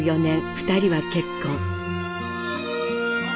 ２人は結婚。